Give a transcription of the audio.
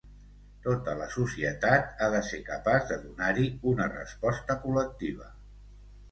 Tota la societat ha de ser capaç de donar-hi una resposta col·lectiva.